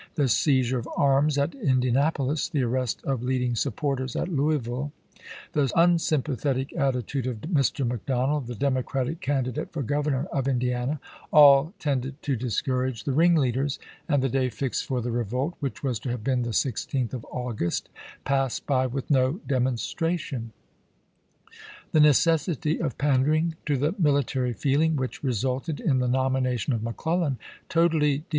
The seizure of arms at Indianapolis, the arrest of leading supporters at Louisville, the unsympa thetic attitude of Mr. McDonald, the Democratic candidate for governor of Indiana, all tended to discourage the ringleaders ; and the day fixed for the revolt, which was to have been the 16th of Au Tho^^pson g^gt^ passed by with no demonstration. " The ne De^c'^K?! cessity of pandering to the military feeling, which confed resulted in the nomination of McClellan, totally de ArXves.